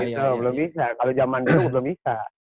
belum bisa kalau zaman dulu belum bisa